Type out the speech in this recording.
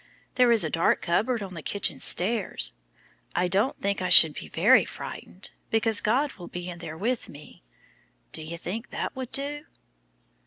There is a dark cupboard on the kitchen stairs. I don't think I should be very frightened, because God will be in there with me. Do you think that would do?"